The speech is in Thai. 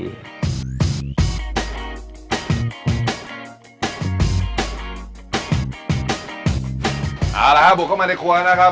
เอาละครับบุกเข้ามาในครัวนะครับ